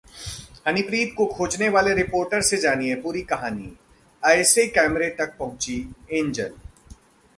हनीप्रीत को खोजने वाले रिपोर्टर से जानिए पूरी कहानी, ऐसे कैमरे तक पहुंची एंजेल